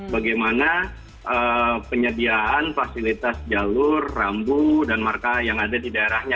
bagaimana penyediaan fasilitas jalur rambu dan marka yang ada di daerahnya